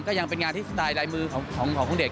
ก็ยังเป็นงานที่สไตล์ลายมือของคุณเดชน์